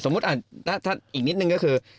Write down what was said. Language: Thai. สมมุติอีกนิดนึงก็คือ